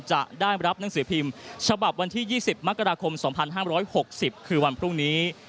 จะได้รับหนังสือพิมพ์ฉบับวันที่๒๐มกราคม๒๕๖๐คือวันพรุ่งนี้